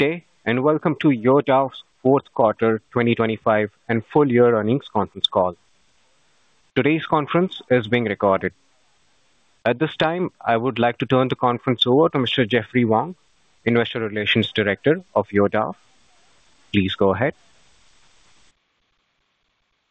Good day and welcome to Youdao's fourth quarter 2025 and full year earnings conference call. Today's conference is being recorded. At this time, I would like to turn the conference over to Mr. Jeffrey Wang, Investor Relations Director of Youdao. Please go ahead.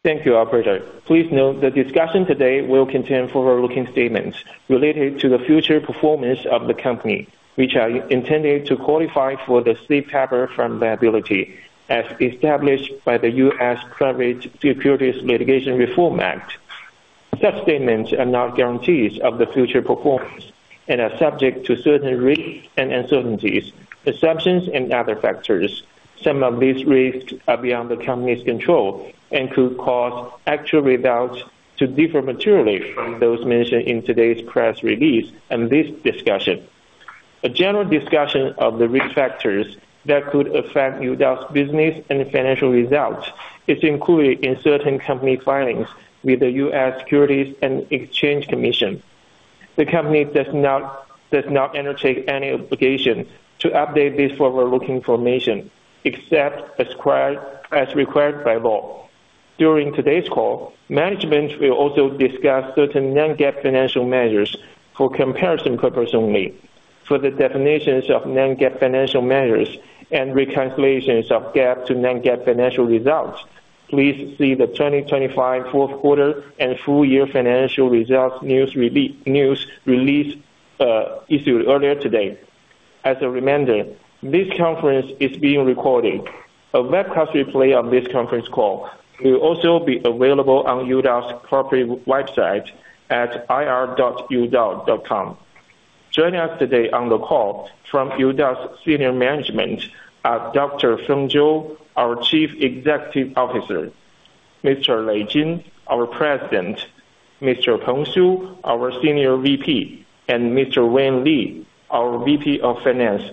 Thank you, Operator. Please note the discussion today will contain forward-looking statements related to the future performance of the company, which are intended to qualify for the Safe Harbor from liability as established by the U.S. Private Securities Litigation Reform Act. Such statements are not guarantees of the future performance and are subject to certain risks and uncertainties, exceptions, and other factors. Some of these risks are beyond the company's control and could cause actual results to differ materially from those mentioned in today's press release and this discussion. A general discussion of the risk factors that could affect Youdao's business and financial results is included in certain company filings with the U.S. Securities and Exchange Commission. The company does not undertake any obligation to update this forward-looking information except as required by law. During today's call, management will also discuss certain non-GAAP financial measures for comparison purposes only. For the definitions of non-GAAP financial measures and recalculations of GAAP to non-GAAP financial results, please see the 2025 fourth quarter and full year financial results news release issued earlier today. As a reminder, this conference is being recorded. A webcast replay of this conference call will also be available on Youdao's corporate website at ir.youdao.com. Joining us today on the call from Youdao's senior management are Dr. Feng Zhou, our Chief Executive Officer; Mr. Lei Jin, our President; Mr. Peng Su, our Senior VP; and Mr. Wei Li, our VP of Finance.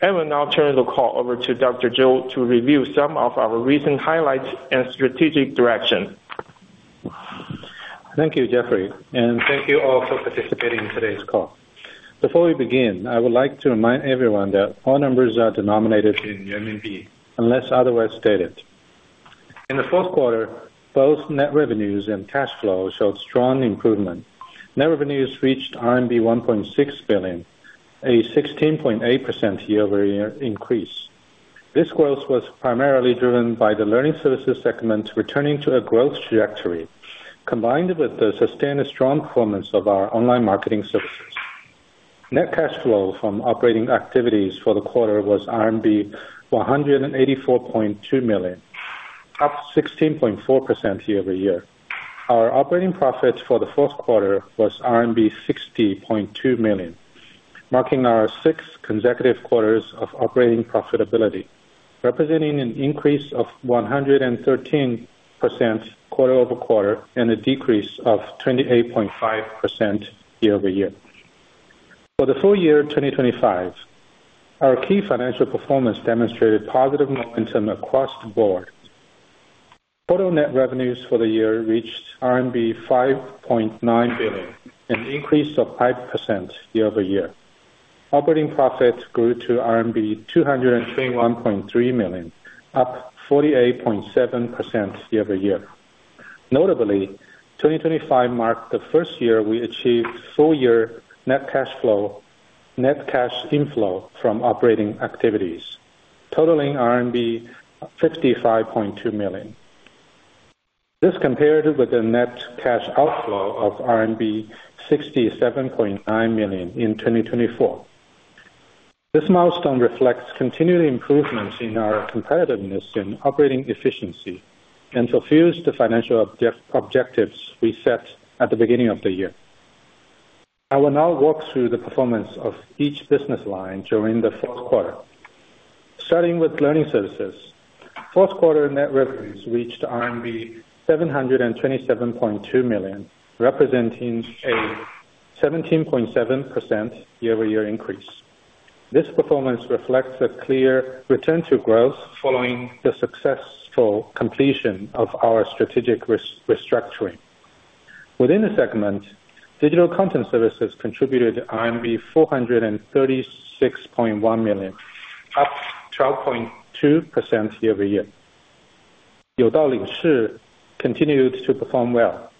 I will now turn the call over to Dr. Zhou to review some of our recent highlights and strategic direction. Thank you, Jeffrey, and thank you all for participating in today's call. Before we begin, I would like to remind everyone that all numbers are denominated in RMB unless otherwise stated. In the fourth quarter, both net revenues and cash flow showed strong improvement. Net revenues reached RMB 1.6 billion, a 16.8% year-over-year increase. This growth was primarily driven by the learning services segment returning to a growth trajectory, combined with the sustained strong performance of our online marketing services. Net cash flow from operating activities for the quarter was RMB 184.2 million, up 16.4% year-over-year. Our operating profit for the fourth quarter was RMB 60.2 million, marking our sixth consecutive quarters of operating profitability, representing an increase of 113% quarter-over-quarter and a decrease of 28.5% year-over-year. For the full year 2025, our key financial performance demonstrated positive momentum across the board. Total net revenues for the year reached RMB 5.9 billion, an increase of 5% year-over-year. Operating profit grew to RMB 221.3 million, up 48.7% year-over-year. Notably, 2025 marked the first year we achieved full year net cash inflow from operating activities, totaling RMB 55.2 million. This compared with the net cash outflow of RMB 67.9 million in 2024. This milestone reflects continued improvements in our competitiveness and operating efficiency and fulfills the financial objectives we set at the beginning of the year. I will now walk through the performance of each business line during the fourth quarter. Starting with learning services, fourth quarter net revenues reached RMB 727.2 million, representing a 17.7% year-over-year increase. This performance reflects a clear return to growth following the successful completion of our strategic restructuring. Within the segment, digital content services contributed RMB 436.1 million, up 12.2% year-over-year. Youdao Lingshi continued to perform well,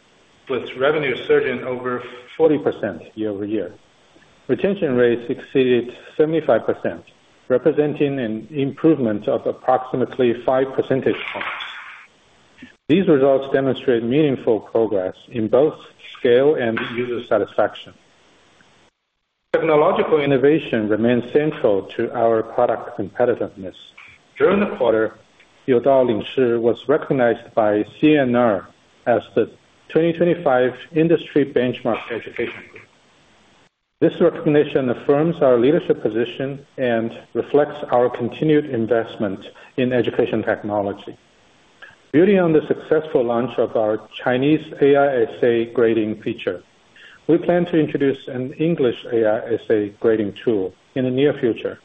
with revenue surging over 40% year-over-year. Retention rates exceeded 75%, representing an improvement of approximately 5 percentage points. These results demonstrate meaningful progress in both scale and user satisfaction. Technological innovation remains central to our product competitiveness. During the quarter, Youdao Lingshi was recognized by CNR as the 2025 Industry Benchmark Education Group. This recognition affirms our leadership position and reflects our continued investment in education technology. Building on the successful launch of our Chinese AI essay grading feature, we plan to introduce an English AI essay grading tool in the near future.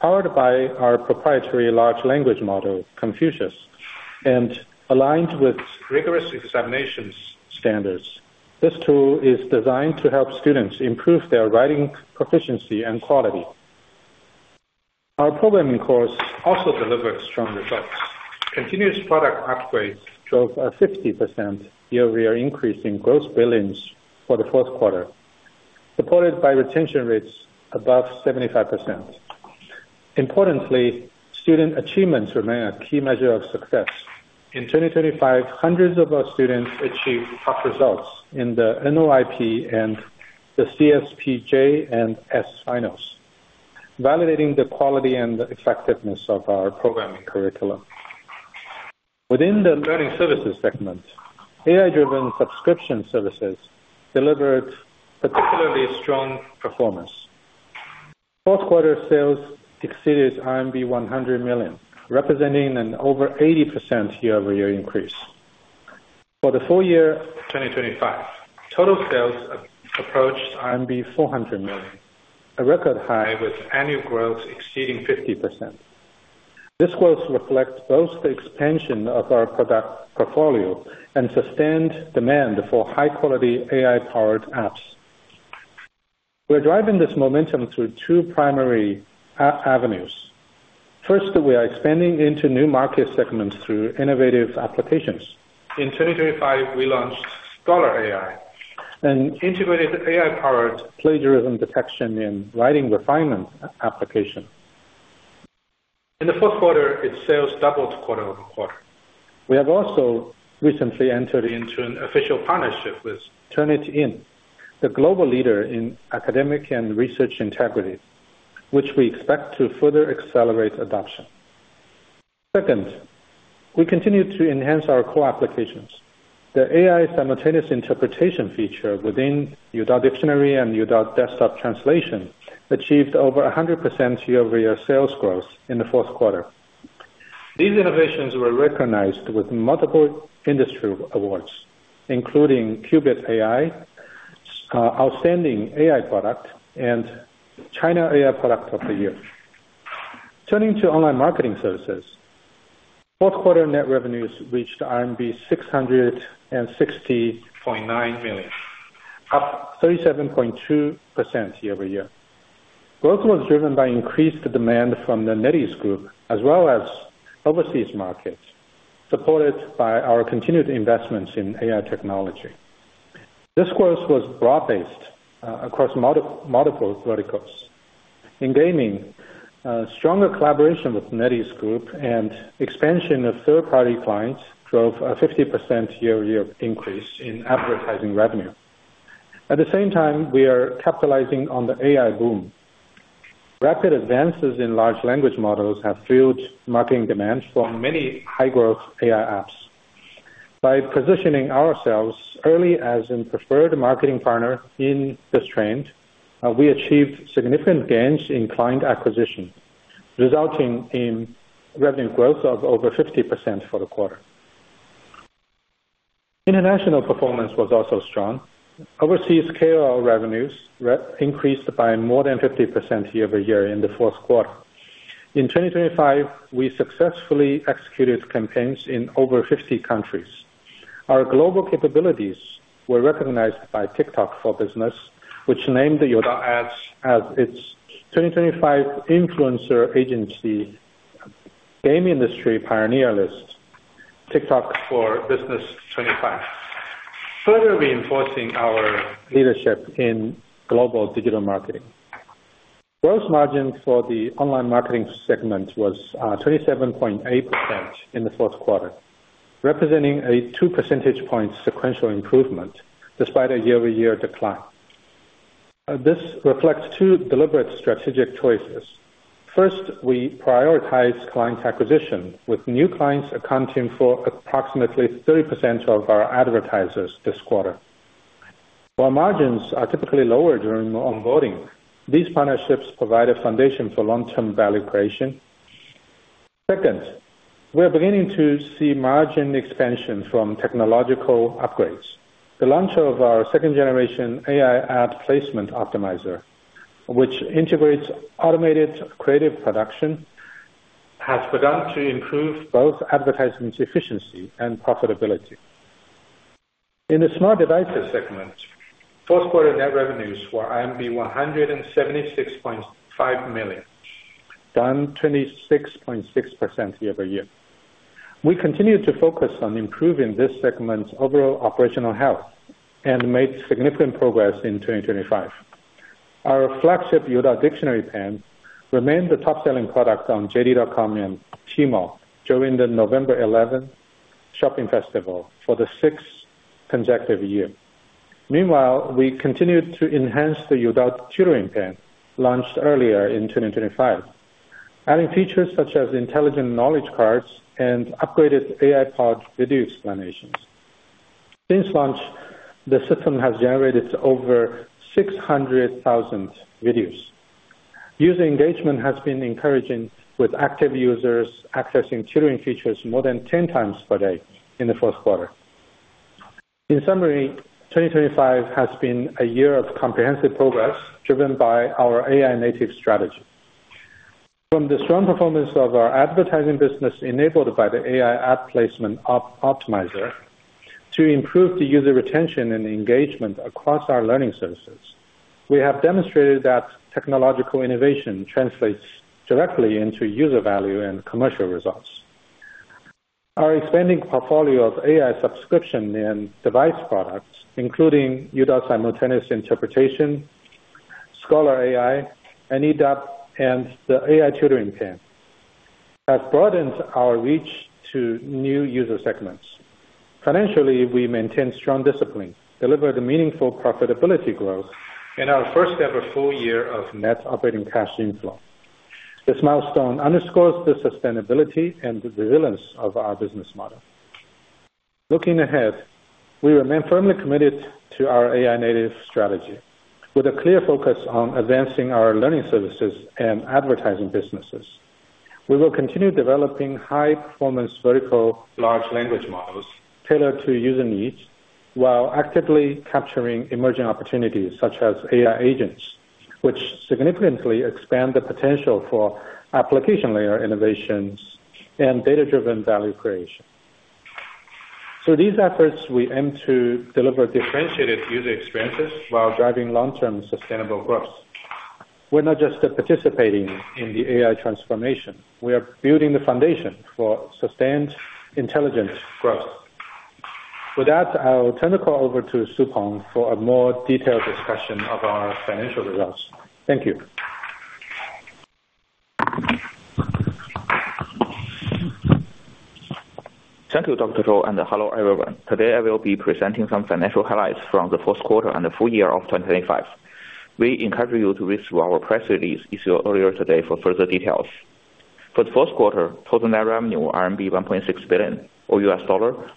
Powered by our proprietary large language model, Confucius, and aligned with rigorous examination standards, this tool is designed to help students improve their writing proficiency and quality. Our programming course also delivered strong results. Continuous product upgrades drove a 50% year-over-year increase in gross billings for the fourth quarter, supported by retention rates above 75%. Importantly, student achievements remain a key measure of success. In 2025, hundreds of our students achieved top results in the NOIP and the CSP-J/S finals, validating the quality and effectiveness of our programming curriculum. Within the learning services segment, AI-driven subscription services delivered particularly strong performance. Fourth quarter sales exceeded RMB 100 million, representing an over 80% year-over-year increase. For the full year 2025, total sales approached RMB 400 million, a record high with annual growth exceeding 50%. This growth reflects both the expansion of our product portfolio and sustained demand for high-quality AI-powered apps. We are driving this momentum through two primary avenues. First, we are expanding into new market segments through innovative applications. In 2025, we launched ScholarAI, an integrated AI-powered plagiarism detection and writing refinement application. In the fourth quarter, its sales doubled quarter-over-quarter. We have also recently entered into an official partnership with Turnitin, the global leader in academic and research integrity, which we expect to further accelerate adoption. Second, we continue to enhance our core applications. The AI simultaneous interpretation feature within Youdao Dictionary and Youdao Desktop Translation achieved over 100% year-over-year sales growth in the fourth quarter. These innovations were recognized with multiple industry awards, including QbitAI, Outstanding AI Product, and China AI Product of the Year. Turning to online marketing services, fourth quarter net revenues reached RMB 660.9 million, up 37.2% year-over-year. Growth was driven by increased demand from the NetEase Group as well as overseas markets, supported by our continued investments in AI technology. This growth was broad-based across multiple verticals. In gaming, stronger collaboration with NetEase Group and expansion of third-party clients drove a 50% year-over-year increase in advertising revenue. At the same time, we are capitalizing on the AI boom. Rapid advances in large language models have fueled marketing demand for many high-growth AI apps. By positioning ourselves early as a preferred marketing partner in this trend, we achieved significant gains in client acquisition, resulting in revenue growth of over 50% for the quarter. International performance was also strong. Overseas KOL revenues increased by more than 50% year-over-year in the fourth quarter. In 2025, we successfully executed campaigns in over 50 countries. Our global capabilities were recognized by TikTok for Business, which named Youdao Ads as its 2025 Influencer Agency Game Industry Pioneer List. TikTok for Business 2025, further reinforcing our leadership in global digital marketing. Gross margin for the online marketing segment was 27.8% in the fourth quarter, representing a 2 percentage point sequential improvement despite a year-over-year decline. This reflects two deliberate strategic choices. First, we prioritized client acquisition, with new clients accounting for approximately 30% of our advertisers this quarter. While margins are typically lower during onboarding, these partnerships provide a foundation for long-term value creation. Second, we are beginning to see margin expansion from technological upgrades. The launch of our second-generation AI ad placement optimizer, which integrates automated creative production, has begun to improve both advertising efficiency and profitability. In the smart devices segment, fourth quarter net revenues were 176.5 million, down 26.6% year-over-year. We continue to focus on improving this segment's overall operational health and made significant progress in 2025. Our flagship Youdao Dictionary Pen remained the top-selling product on JD.com and Tmall during the November 11th Shopping Festival for the sixth consecutive year. Meanwhile, we continued to enhance the Youdao Tutoring Pen, launched earlier in 2025, adding features such as intelligent knowledge cards and upgraded AI-powered video explanations. Since launch, the system has generated over 600,000 videos. User engagement has been encouraging, with active users accessing tutoring features more than 10 times per day in the fourth quarter. In summary, 2025 has been a year of comprehensive progress driven by our AI-native strategy. From the strong performance of our advertising business enabled by the AI Ad Placement Optimizer to improved user retention and engagement across our learning services, we have demonstrated that technological innovation translates directly into user value and commercial results. Our expanding portfolio of AI subscription and device products, including Youdao Simultaneous Interpretation, Scholar AI, AnyDub, and the Youdao Tutoring Pen, have broadened our reach to new user segments. Financially, we maintain strong discipline, delivered meaningful profitability growth, and our first-ever full year of net operating cash inflow. This milestone underscores the sustainability and resilience of our business model. Looking ahead, we remain firmly committed to our AI-native strategy. With a clear focus on advancing our learning services and advertising businesses, we will continue developing high-performance vertical large language models tailored to user needs while actively capturing emerging opportunities such as AI agents, which significantly expand the potential for application layer innovations and data-driven value creation. Through these efforts, we aim to deliver differentiated user experiences while driving long-term sustainable growth. We're not just participating in the AI transformation. We are building the foundation for sustained, intelligent growth. With that, I'll turn the call over to Peng Su for a more detailed discussion of our financial results. Thank you. Thank you, Dr. Zhou, and hello, everyone. Today, I will be presenting some financial highlights from the fourth quarter and the full year of 2025. We encourage you to read through our press release issued earlier today for further details. For the fourth quarter, total net revenue RMB 1.6 billion, or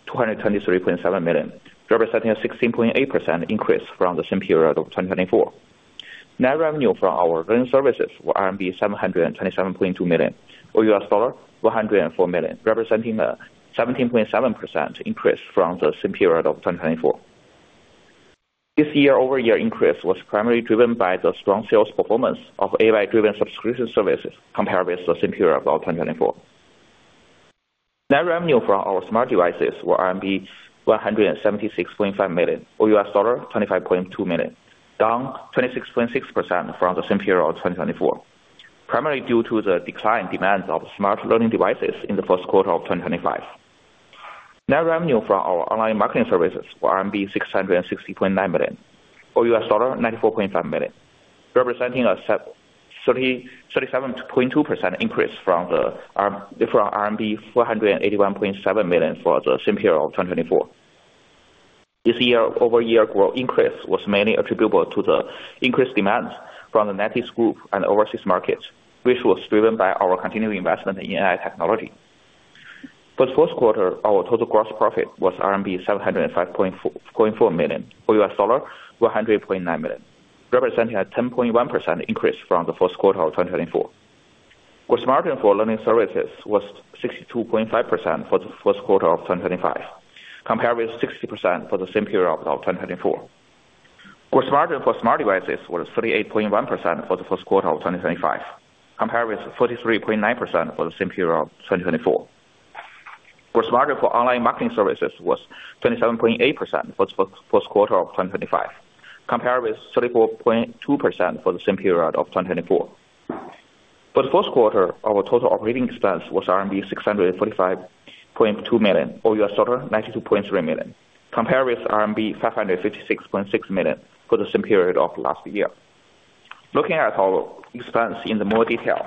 $223.7 million, representing a 16.8% increase from the same period of 2024. Net revenue from our learning services was RMB 727.2 million, or $104 million, representing a 17.7% increase from the same period of 2024. This year-over-year increase was primarily driven by the strong sales performance of AI-driven subscription services compared with the same period of 2024. Net revenue from our smart devices was RMB 176.5 million, or $25.2 million, down 26.6% from the same period of 2024, primarily due to the declined demand of smart learning devices in the first quarter of 2025. Net revenue from our online marketing services was RMB 660.9 million, or $94.5 million, representing a 37.2% increase from RMB 481.7 million for the same period of 2024. This year-over-year growth increase was mainly attributable to the increased demand from the NetEase Group and overseas markets, which was driven by our continued investment in AI technology. For the fourth quarter, our total gross profit was RMB 705.4 million, or $100.9 million, representing a 10.1% increase from the fourth quarter of 2024. Gross margin for learning services was 62.5% for the first quarter of 2025, compared with 60% for the same period of 2024. Gross margin for smart devices was 38.1% for the first quarter of 2025, compared with 43.9% for the same period of 2024. Gross margin for online marketing services was 27.8% for the fourth quarter of 2025, compared with 34.2% for the same period of 2024. For the fourth quarter, our total operating expense was RMB 645.2 million, or $92.3 million, compared with RMB 556.6 million for the same period of last year. Looking at our expense in more detail,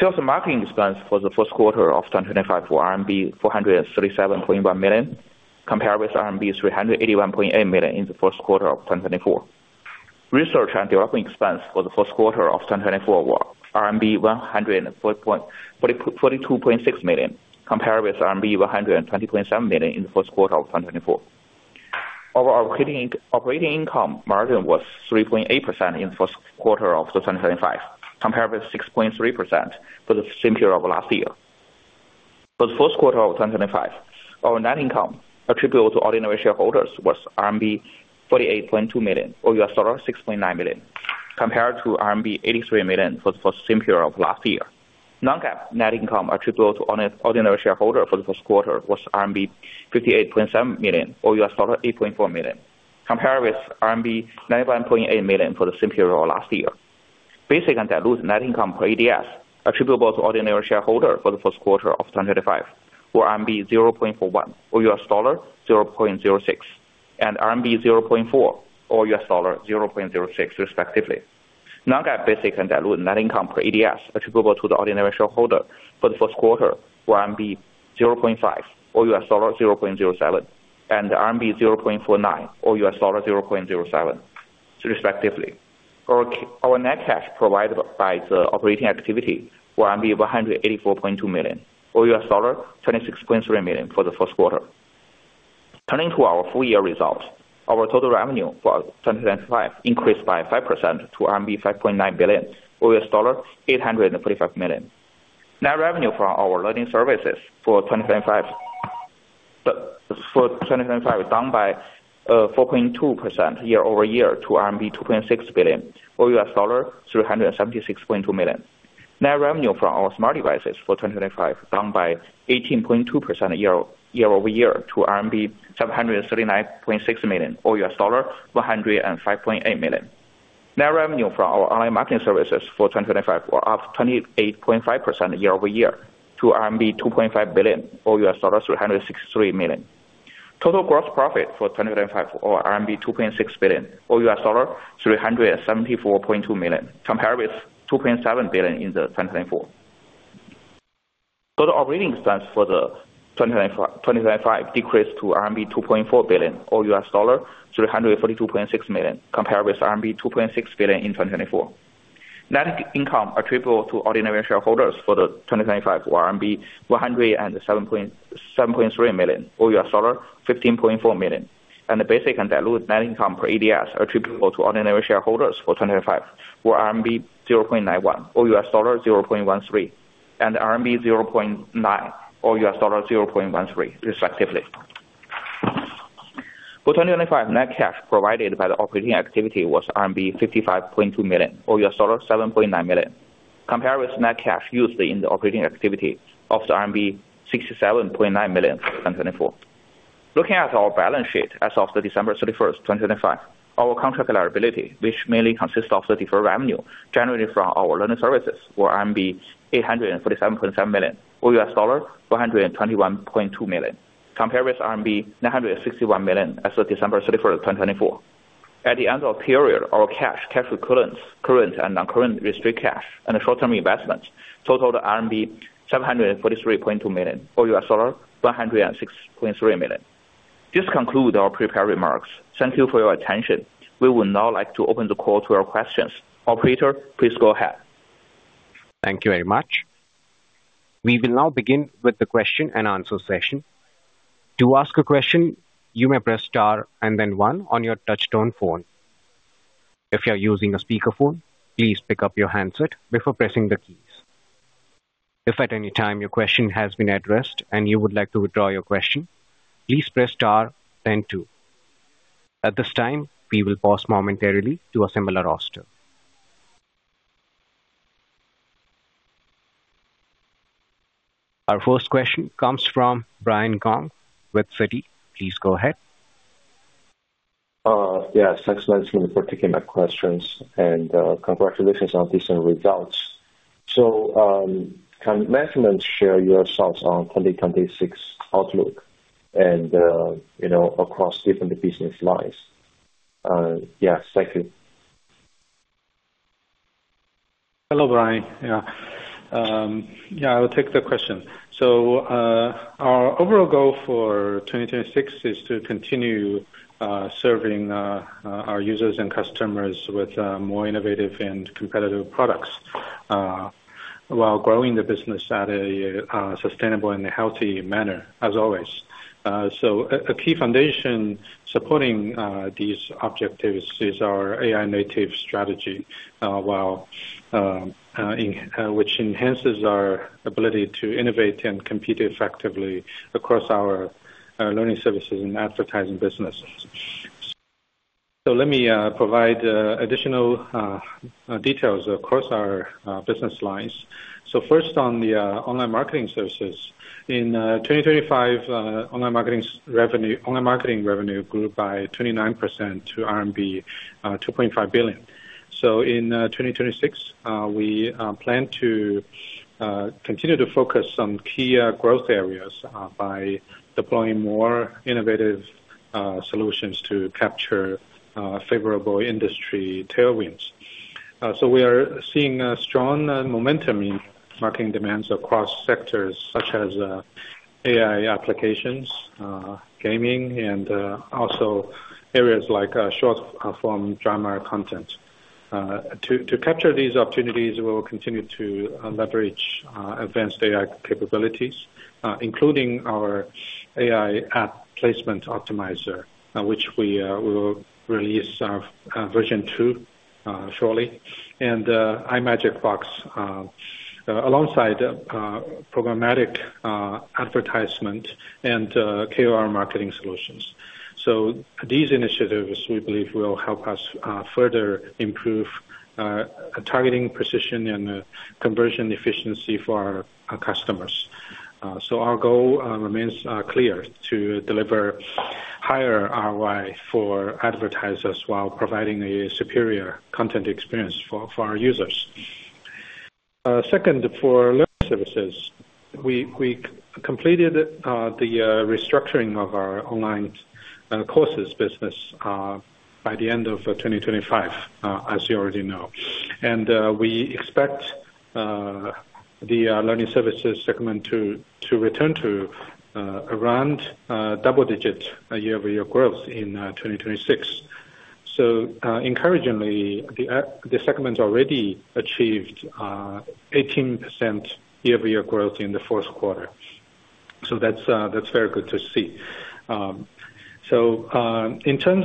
sales and marketing expense for the first quarter of 2025 were RMB 437.1 million, compared with RMB 381.8 million in the first quarter of 2024. Research and development expense for the first quarter of 2025 were 142.6 million, compared with RMB 120.7 million in the first quarter of 2024. Our operating income margin was 3.8% in the first quarter of 2025, compared with 6.3% for the same period of last year. For the first quarter of 2025, our net income attributable to ordinary shareholders was RMB 48.2 million, or $6.9 million, compared to RMB 83 million for the same period of last year. Non-GAAP net income attributable to ordinary shareholders for the first quarter was RMB 58.7 million, or $8.4 million, compared with RMB 91.8 million for the same period of last year. Based on diluted net income per ADS attributable to ordinary shareholders for the first quarter of 2025 were RMB 0.41, or $0.06, and RMB 0.4, or $0.06, respectively. Non-GAAP basic and diluted net income per ADS attributable to the ordinary shareholders for the first quarter were RMB 0.5, or $0.07, and RMB 0.49, or $0.07, respectively. Our net cash provided by the operating activity was 184.2 million, or $26.3 million for the first quarter. Turning to our full year results, our total revenue for 2025 increased by 5% to RMB 5.9 billion, or $845 million. Net revenue from our learning services for 2025 was down by 4.2% year-over-year to RMB 2.6 billion, or $376.2 million. Net revenue from our smart devices for 2025 was down by 18.2% year-over-year to RMB 739.6 million, or $105.8 million. Net revenue from our online marketing services for 2025 was up 28.5% year-over-year to RMB 2.5 billion, or $363 million. Total gross profit for 2025 was RMB 2.6 billion, or $374.2 million, compared with 2.7 billion in 2024. Total operating expense for 2025 decreased to RMB 2.4 billion, or $342.6 million, compared with RMB 2.6 billion in 2024. Net income attributable to ordinary shareholders for 2025 was RMB 107.3 million, or $15.4 million. The basic and diluted net income per ADS attributable to ordinary shareholders for 2025 was RMB 0.91, or $0.13, and RMB 0.9, or $0.13, respectively. For 2025, net cash provided by the operating activity was RMB 55.2 million, or $7.9 million, compared with net cash used in the operating activity of RMB 67.9 million for 2024. Looking at our balance sheet as of December 31st, 2025, our contract liability, which mainly consists of the deferred revenue generated from our learning services, was RMB 847.7 million, or $121.2 million, compared with RMB 961 million as of December 31st, 2024. At the end of the period, our cash, cash equivalents, current, and non-current restricted cash, and short-term investments totaled RMB 743.2 million, or $106.3 million. This concludes our prepared remarks. Thank you for your attention. We would now like to open the call to your questions. Operator, please go ahead. Thank you very much. We will now begin with the question and answer session. To ask a question, you may press star and then one on your touch-tone phone. If you're using a speakerphone, please pick up your handset before pressing the keys. If at any time your question has been addressed and you would like to withdraw your question, please press star, then two. At this time, we will pause momentarily to assemble our roster. Our first question comes from Brian Gong with Citi. Please go ahead. Yes. Thanks for taking my questions. Congratulations on these results. So can management share your thoughts on 2026 outlook and across different business lines? Yes. Thank you. Hello, Brian. Yeah. Yeah. I'll take the question. So our overall goal for 2026 is to continue serving our users and customers with more innovative and competitive products while growing the business at a sustainable and healthy manner, as always. So a key foundation supporting these objectives is our AI-native strategy, which enhances our ability to innovate and compete effectively across our learning services and advertising businesses. So let me provide additional details across our business lines. First, on the online marketing services, in 2025, online marketing revenue grew by 29% to RMB 2.5 billion. In 2026, we plan to continue to focus on key growth areas by deploying more innovative solutions to capture favorable industry tailwinds. We are seeing strong momentum in marketing demands across sectors such as AI applications, gaming, and also areas like short-form drama content. To capture these opportunities, we will continue to leverage advanced AI capabilities, including our AI app placement optimizer, which we will release version 2 shortly, and iMagic Box alongside programmatic advertisement and KOL marketing solutions. These initiatives, we believe, will help us further improve targeting precision and conversion efficiency for our customers. Our goal remains clear: to deliver higher ROI for advertisers while providing a superior content experience for our users. Second, for learning services, we completed the restructuring of our online courses business by the end of 2025, as you already know. We expect the learning services segment to return to around double-digit year-over-year growth in 2026. Encouragingly, the segment already achieved 18% year-over-year growth in the fourth quarter. That's very good to see. In terms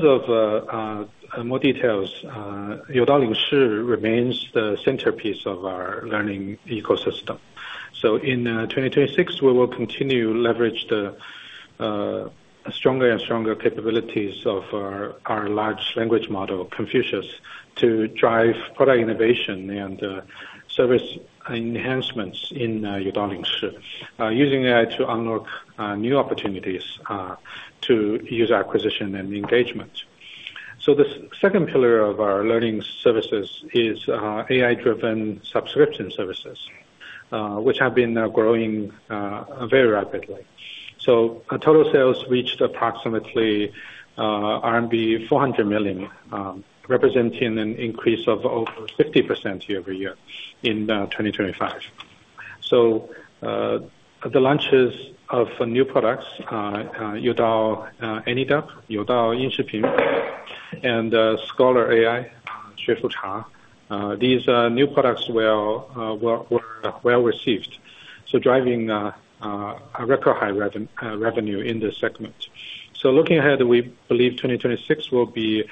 of more details, Youdao Premium Courses remains the centerpiece of our learning ecosystem. In 2026, we will continue to leverage the stronger and stronger capabilities of our large language model, Confucius, to drive product innovation and service enhancements in Youdao Premium Courses, using AI to unlock new opportunities to user acquisition and engagement. The second pillar of our learning services is AI-driven subscription services, which have been growing very rapidly. So total sales reached approximately RMB 400 million, representing an increase of over 50% year-over-year in 2025. So the launches of new products, Youdao AnyDub, Youdao Institute, and ScholarAI, XueFuCha, these new products were well-received, so driving record high revenue in this segment. So looking ahead, we believe 2026 will be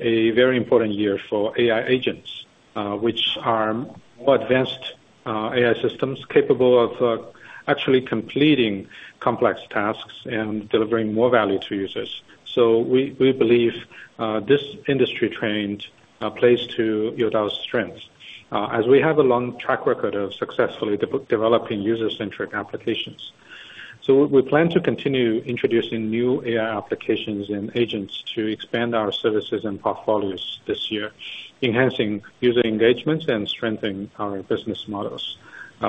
a very important year for AI agents, which are more advanced AI systems capable of actually completing complex tasks and delivering more value to users. So we believe this industry-trained place to Youdao's strengths, as we have a long track record of successfully developing user-centric applications. So plan to continue introducing new AI applications and agents to expand our services and portfolios this year, enhancing user engagements and strengthening our business models,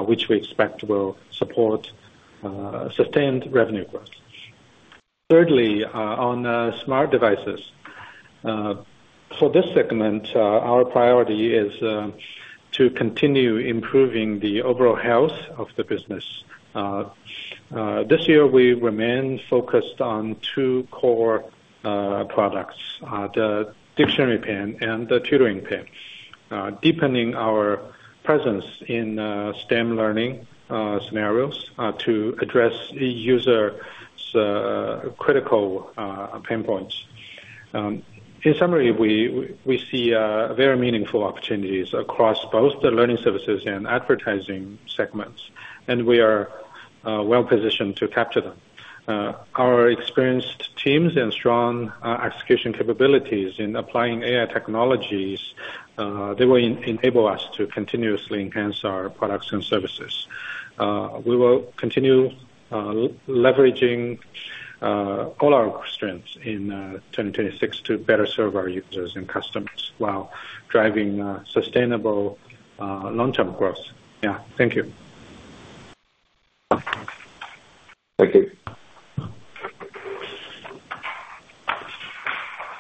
which we expect will support sustained revenue growth. Thirdly, on smart devices, for this segment, our priority is to continue improving the overall health of the business. This year, we remain focused on two core products, the dictionary pen and the tutoring pen, deepening our presence in STEM learning scenarios to address users' critical pain points. In summary, we see very meaningful opportunities across both the learning services and advertising segments, and we are well-positioned to capture them. Our experienced teams and strong execution capabilities in applying AI technologies, they will enable us to continuously enhance our products and services. We will continue leveraging all our strengths in 2026 to better serve our users and customers while driving sustainable long-term growth. Yeah. Thank you. Thank you.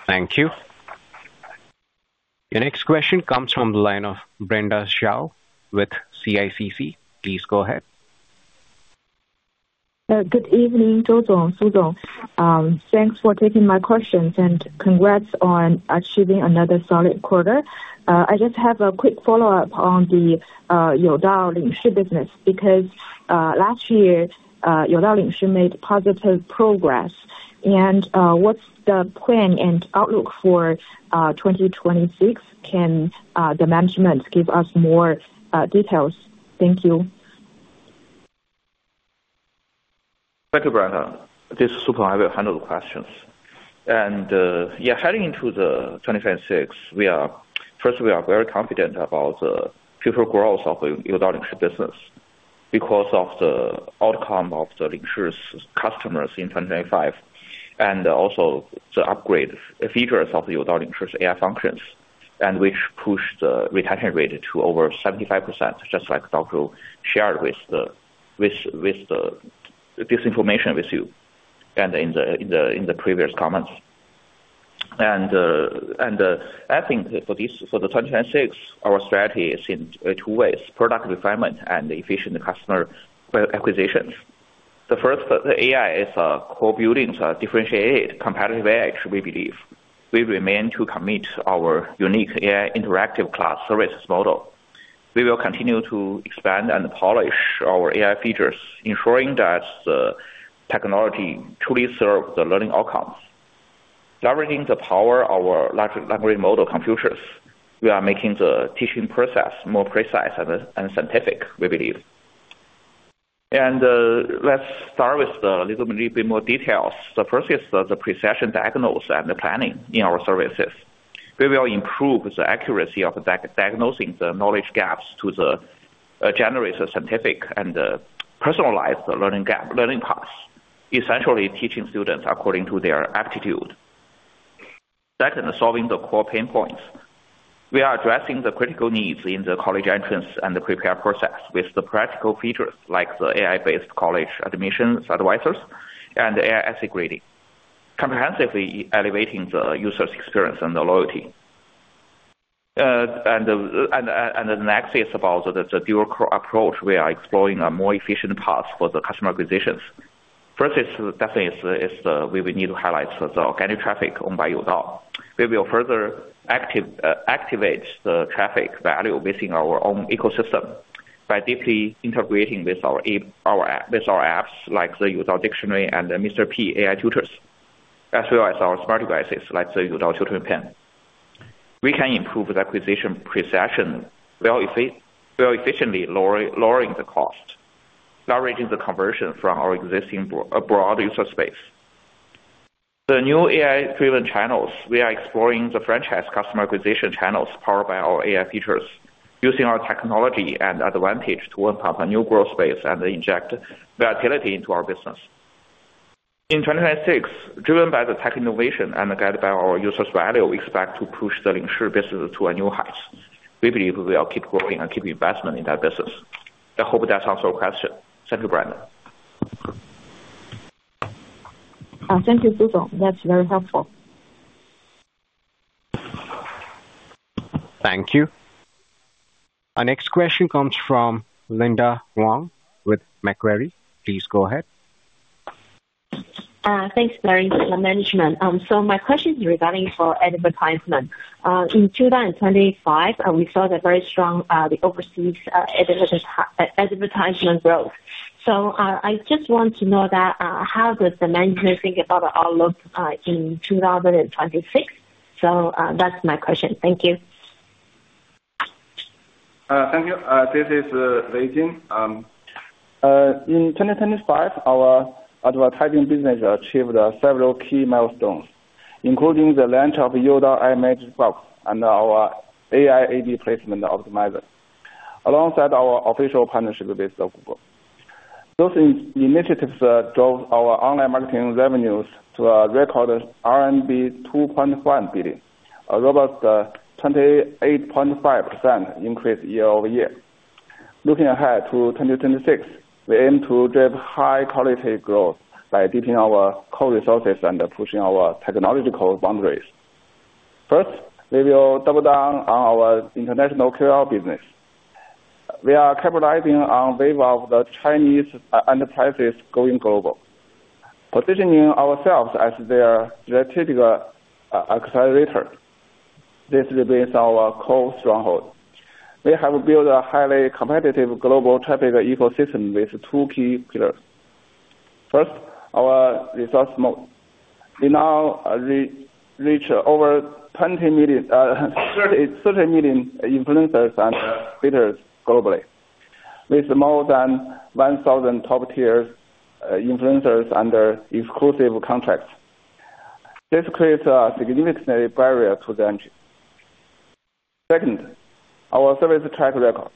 Thank you. Your next question comes from the line of Brenda Zhao with CICC. Please go ahead. Good evening, Feng Zhou. Thanks for taking my questions and congrats on achieving another solid quarter. I just have a quick follow-up on the Youdao Lingshi business because last year, Youdao Lingshi made positive progress. And what's the plan and outlook for 2026? Can the management give us more details? Thank you. Thank you, Brenda. This is super. I will handle the questions. And yeah, heading into 2026, first, we are very confident about the future growth of Youdao Lingshi business because of the outcome of Lingshi's customers in 2025 and also the upgrade features of Youdao Lingshi's AI functions, which pushed the retention rate to over 75%, just like Dr. Zhou shared this information with you and in the previous comments. And I think for 2026, our strategy is in two ways: product refinement and efficient customer acquisition. The first, the AI is core buildings, differentiated, competitive AI, we believe. We remain committed to our unique AI interactive class services model. We will continue to expand and polish our AI features, ensuring that the technology truly serves the learning outcomes. Leveraging the power of our Large Language Model, we are making the teaching process more precise and scientific, we believe. Let's start with a little bit more detail. The first is the precision diagnosis and the planning in our services. We will improve the accuracy of diagnosing the knowledge gaps to generate a scientific and personalized learning path, essentially teaching students according to their aptitude. Second, solving the core pain points. We are addressing the critical needs in the college entrance and the preparation process with the practical features like the AI-based college admissions advisors and AI essay grading, comprehensively elevating the user's experience and the loyalty. The next is about the dual approach. We are exploring a more efficient path for the customer acquisitions. First, definitely, we will need to highlight the organic traffic owned by Youdao. We will further activate the traffic value within our own ecosystem by deeply integrating with our apps like the Youdao Dictionary and the Mr. P AI Tutors, as well as our smart devices like the Youdao Tutoring Pen. We can improve the acquisition precision, very efficiently lowering the cost, leveraging the conversion from our existing broad user space. The new AI-driven channels. We are exploring the franchise customer acquisition channels powered by our AI features, using our technology and advantage to amp up a new growth space and inject volatility into our business. In 2026, driven by the tech innovation and guided by our user's value, we expect to push the Lingshi business to a new height. We believe we will keep growing and keep investing in that business. I hope that answers your question. Thank you, Brenda. Thank you, Peng Su. That's very helpful. Thank you. Our next question comes from Linda Huang with Macquarie. Please go ahead. Thanks, Larry, management. So my question is regarding advertisement. In 2025, we saw the very strong overseas advertisement growth. So I just want to know how does the management think about the outlook in 2026? So that's my question. Thank you. Thank you. This is Lei Jin. In 2025, our advertising business achieved several key milestones, including the launch of Youdao iMagic Box and our AI ad placement optimizer alongside our official partnership with Google. Those initiatives drove our online marketing revenues to a record RMB 2.1 billion, a robust 28.5% increase year-over-year. Looking ahead to 2026, we aim to drive high-quality growth by deepening our core resources and pushing our technological boundaries. First, we will double down on our international KOL business. We are capitalizing on the wave of the Chinese enterprises going global, positioning ourselves as their strategic accelerator. This remains our core stronghold. We have built a highly competitive global traffic ecosystem with two key pillars. First, our resource mode. We now reach over 20 million influencers and creators globally with more than 1,000 top-tier influencers under exclusive contracts. This creates a significant barrier to entry. Second, our service track record.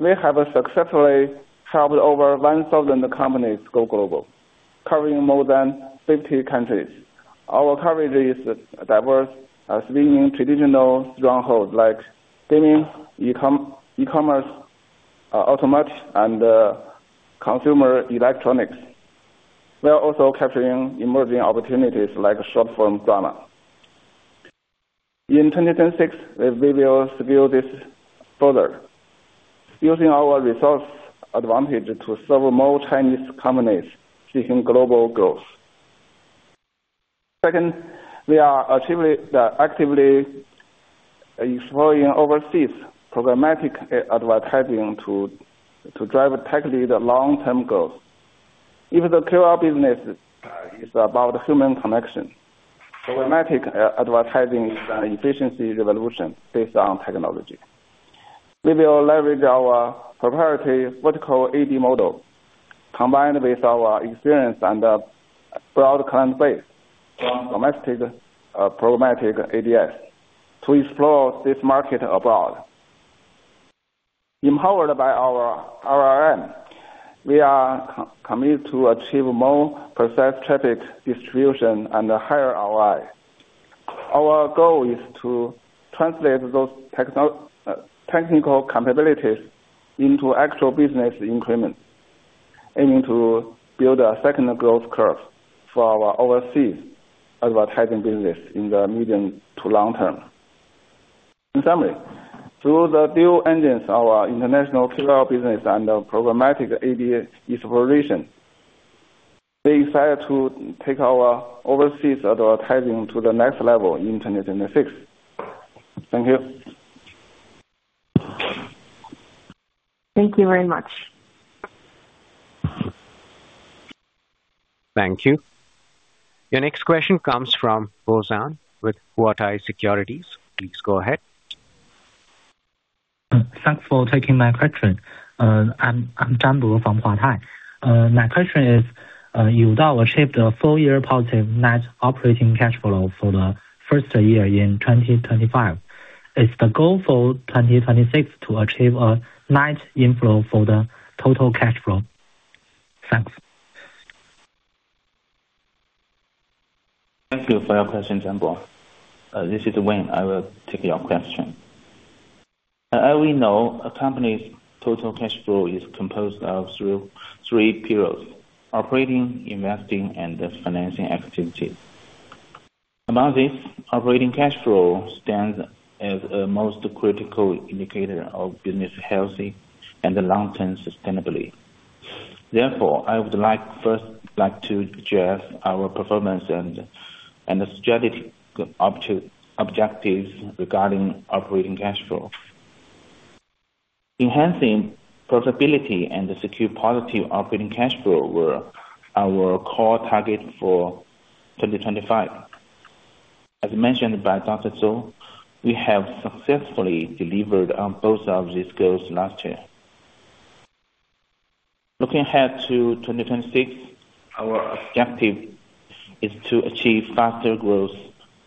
We have successfully helped over 1,000 companies go global, covering more than 50 countries. Our coverage is diverse, spanning traditional strongholds like gaming, e-commerce, automation, and consumer electronics. We are also capturing emerging opportunities like short-form drama. In 2026, we will scale this further, using our resource advantage to serve more Chinese companies seeking global growth. Second, we are actively exploring overseas programmatic advertising to drive tech-led long-term growth. Even the KOL business is about human connection. Programmatic advertising is an efficiency revolution based on technology. We will leverage our proprietary vertical ad model, combined with our experience and broad client base from domestic programmatic ads to explore this market abroad. Empowered by our RRM, we are committed to achieve more precise traffic distribution and higher ROI. Our goal is to translate those technical capabilities into actual business increments, aiming to build a second growth curve for our overseas advertising business in the medium to long term. In summary, through the dual engines, our international KOL business and programmatic ad exploration, we expect to take our overseas advertising to the next level in 2026. Thank you. Thank you very much. Thank you. Your next question comes from Bo Zhang with Huatai Securities. Please go ahead. Thanks for taking my question. I'm Bo Zhang from Huatai Securities. My question is, Youdao achieved a four-year positive net operating cash flow for the first year in 2025. Is the goal for 2026 to achieve a net inflow for the total cash flow? Thanks. Thank you for your question, Bo Zhang. This is Wei. I will take your question. As we know, a company's total cash flow is composed of three pillars: operating, investing, and financing activities. Among these, operating cash flow stands as the most critical indicator of business health and long-term sustainability. Therefore, I would like first to address our performance and strategic objectives regarding operating cash flow. Enhancing profitability and secure positive operating cash flow were our core targets for 2025. As mentioned by Dr. Zhou, we have successfully delivered on both of these goals last year. Looking ahead to 2026, our objective is to achieve faster growth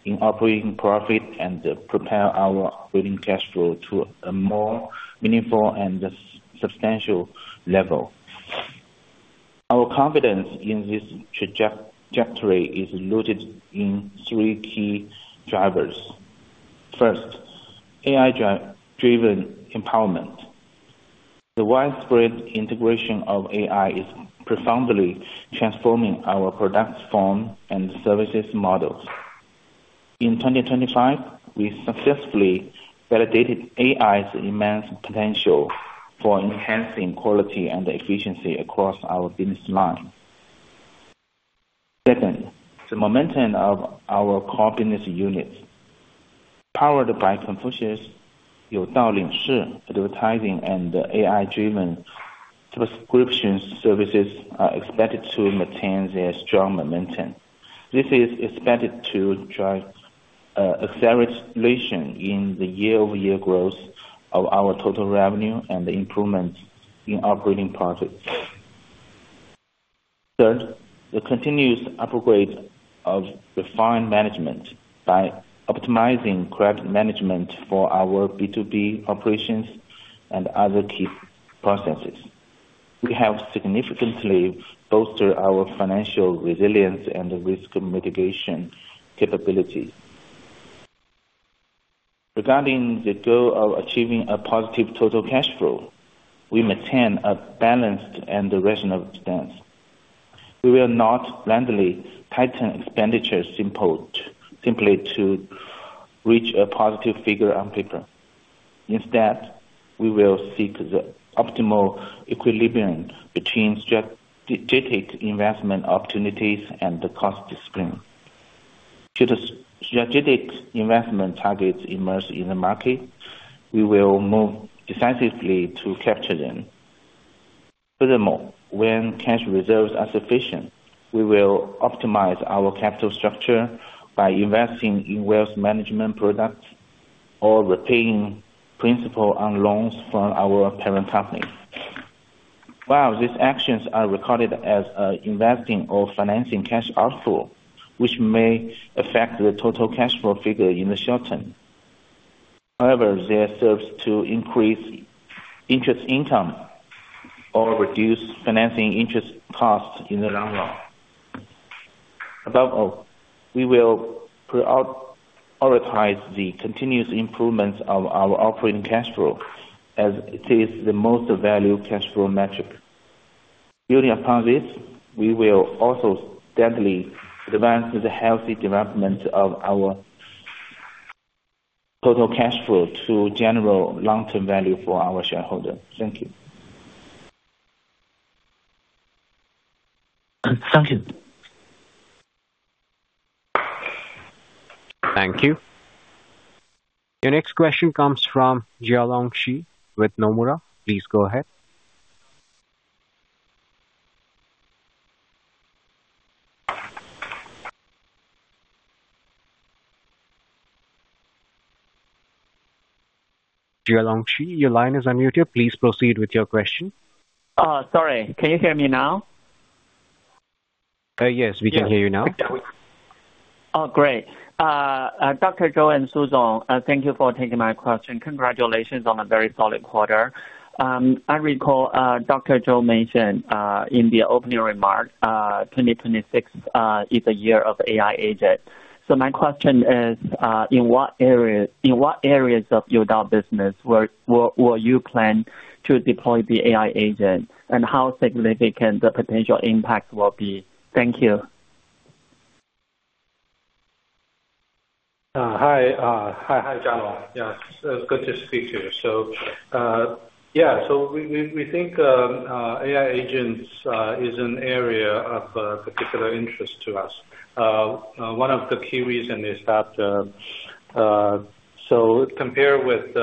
in operating profit and prepare our operating cash flow to a more meaningful and substantial level. Our confidence in this trajectory is rooted in three key drivers. First, AI-driven empowerment. The widespread integration of AI is profoundly transforming our product form and services models. In 2025, we successfully validated AI's immense potential for enhancing quality and efficiency across our business line. Second, the momentum of our core business units. Powered by Confucius, Youdao Lingshi advertising and AI-driven subscription services, expected to maintain their strong momentum. This is expected to drive acceleration in the year-over-year growth of our total revenue and the improvements in operating profits. Third, the continuous upgrade of refined management by optimizing credit management for our B2B operations and other key processes. We have significantly bolstered our financial resilience and risk mitigation capabilities. Regarding the goal of achieving a positive total cash flow, we maintain a balanced and rational stance. We will not blindly tighten expenditures simply to reach a positive figure on paper. Instead, we will seek the optimal equilibrium between strategic investment opportunities and the cost discipline. Should the strategic investment targets emerge in the market, we will move decisively to capture them. Furthermore, when cash reserves are sufficient, we will optimize our capital structure by investing in wealth management products or repaying principal on loans from our parent company. While these actions are recorded as investing or financing cash outflow, which may affect the total cash flow figure in the short term, however, they serve to increase interest income or reduce financing interest costs in the long run. Above all, we will prioritize the continuous improvements of our operating cash flow as it is the most valued cash flow metric. Building upon this, we will also steadily advance the healthy development of our total cash flow to generate long-term value for our shareholders. Thank you. Thank you. Thank you. Your next question comes from Jialong Shi with Nomura. Please go ahead. Jialong Shi, your line is unmuted. Please proceed with your question. Sorry. Can you hear me now? Yes, we can hear you now. Great. Dr. Zhou and Zhou Zhong, thank you for taking my question. Congratulations on a very solid quarter. I recall Dr. Zhou mentioned in the opening remark, "2026 is a year of AI agent." So my question is, in what areas of Youdao business will you plan to deploy the AI agent, and how significant the potential impact will be? Thank you. Hi. Hi, Jialong. Yeah, it's good to speak to you. Yeah, we think AI agents is an area of particular interest to us. One of the key reasons is that, compared with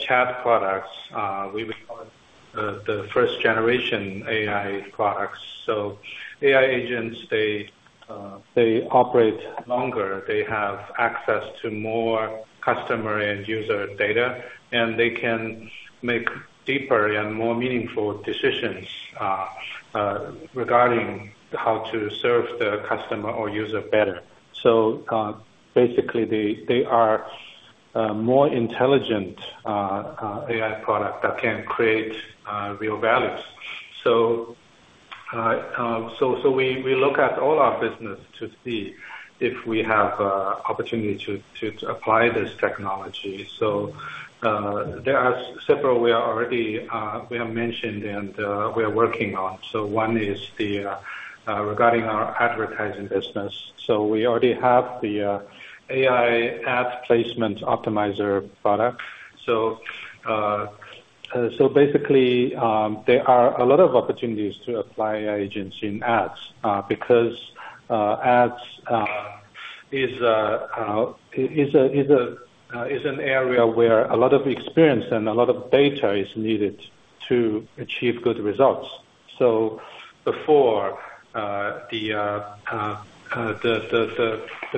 chat products, we would call it the first-generation AI products. AI agents, they operate longer. They have access to more customer and user data, and they can make deeper and more meaningful decisions regarding how to serve the customer or user better. Basically, they are more intelligent AI products that can create real values. We look at all our business to see if we have opportunity to apply this technology. There are several we have already mentioned and we are working on. One is regarding our advertising business. We already have the AI Ad Placement Optimizer product. So basically, there are a lot of opportunities to apply AI agents in ads because ads is an area where a lot of experience and a lot of data is needed to achieve good results. So before, the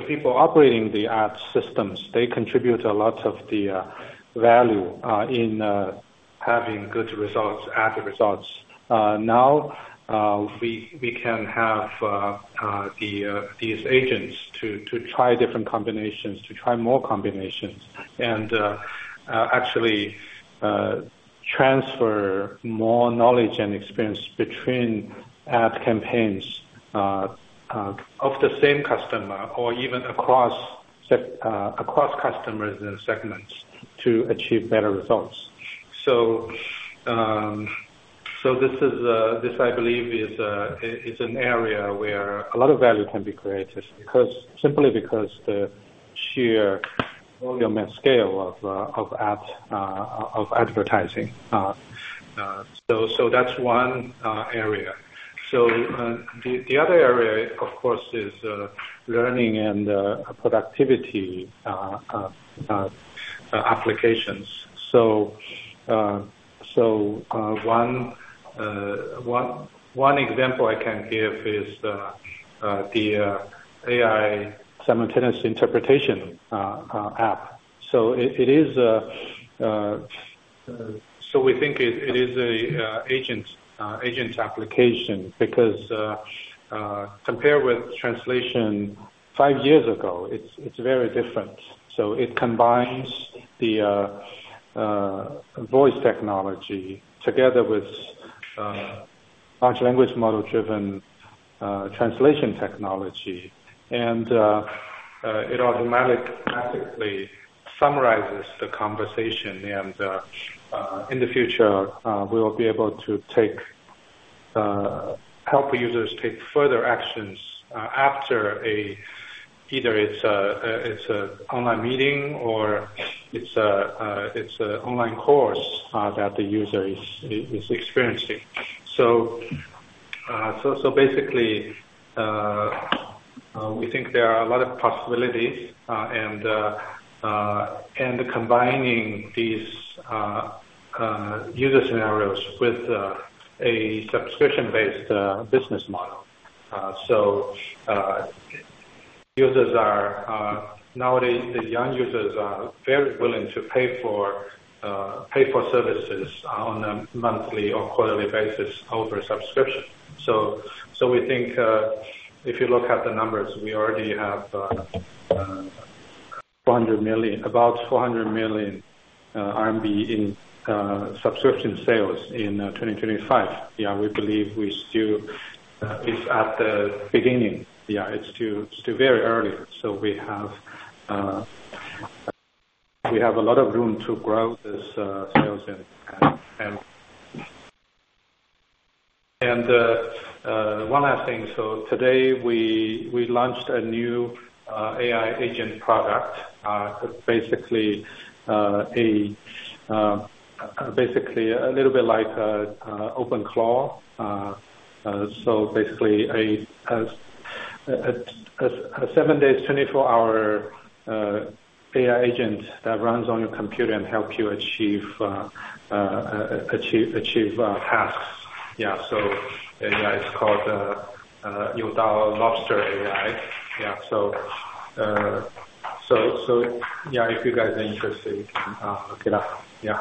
people operating the ad systems, they contribute a lot of the value in having good results, ad results. Now, we can have these agents to try different combinations, to try more combinations, and actually transfer more knowledge and experience between ad campaigns of the same customer or even across customers and segments to achieve better results. So this, I believe, is an area where a lot of value can be created simply because the sheer volume and scale of advertising. So that's one area. So the other area, of course, is learning and productivity applications. So one example I can give is the AI simultaneous interpretation app. So, we think it is an agent application because compared with translation five years ago, it's very different. So it combines the voice technology together with Large Language Model-driven translation technology, and it automatically summarizes the conversation. And in the future, we will be able to help users take further actions after either it's an online meeting or it's an online course that the user is experiencing. So basically, we think there are a lot of possibilities. And combining these user scenarios with a subscription-based business model, so users are nowadays, the young users are very willing to pay for services on a monthly or quarterly basis over a subscription. So we think if you look at the numbers, we already have about 400 million RMB in subscription sales in 2025. Yeah, we believe it's still at the beginning. Yeah, it's still very early. So we have a lot of room to grow this sales in. And one last thing. So today, we launched a new AI agent product, basically a little bit like OpenClaw. So basically, a seven-days, 24-hour AI agent that runs on your computer and helps you achieve tasks. Yeah, so it's called Youdao Laoshi AI. Yeah, so yeah, if you guys are interested, you can look it up. Yeah.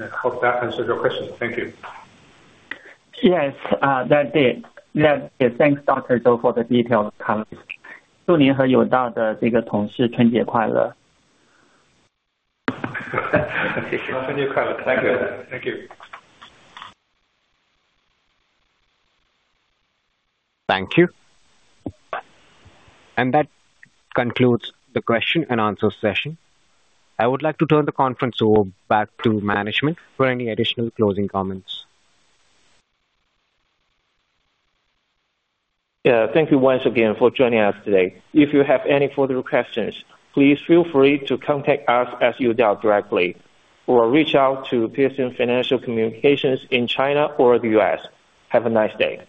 I hope that answers your question. Thank you. Yes, that did. That did. Thanks, Dr. Zhou, for the details, color. 祝您和Youdao的同事春节快乐。Thank you. Thank you. Thank you. And that concludes the question and answers session. I would like to turn the conference over back to management for any additional closing comments. Yeah, thank you once again for joining us today. If you have any further questions, please feel free to contact us at Youdao directly or reach out to The Piacente Group in China or the U.S. Have a nice day.